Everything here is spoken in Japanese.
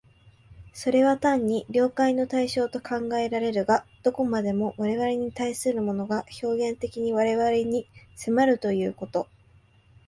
それは単に了解の対象と考えられるが、どこまでも我々に対するものが表現的に我々に迫るということ、